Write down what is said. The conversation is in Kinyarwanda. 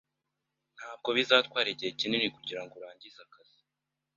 Ntabwo bizatwara igihe kinini kugirango urangize akazi.